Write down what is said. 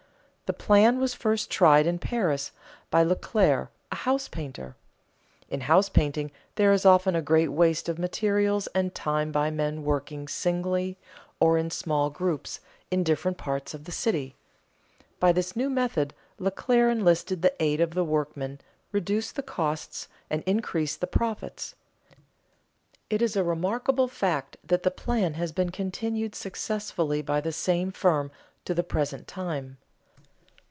_ The plan was first tried in Paris by Leclaire, a house painter. In house painting there is often a great waste of materials and time by men working singly or in small groups in different parts of the city. By this new method Leclaire enlisted the aid of the workmen, reduced the costs, and increased the profits. It is a remarkable fact that the plan has been continued successfully by the same firm to the present time.